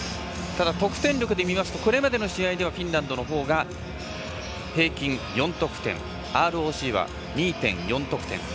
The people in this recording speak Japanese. ただ、得点力で見ますとこれまでの試合ではフィンランドのほうが平均４得点ＲＯＣは２．４得点。